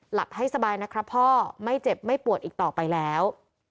หลับให้สบายนะครับพ่อไม่เจ็บไม่ปวดอีกต่อไปแล้ว